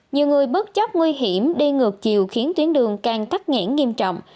nhiều người bất chấp nguy hiểm đi ngược chiều khiến tuyến đường càng thắt ngãn nghiêm trọng